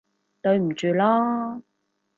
對唔住囉